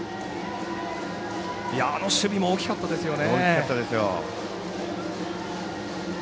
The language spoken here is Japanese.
あの守備も大きかったですよね。